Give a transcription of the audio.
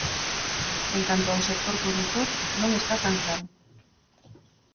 En canto ao sector produtor, non está tan claro.